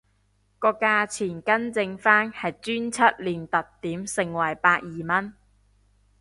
個價錢更正返係專輯連特典盛惠百二蚊